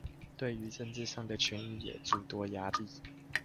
對於政治上的權益也諸多壓抑